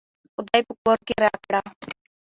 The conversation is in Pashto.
خداى په کور کې راکړه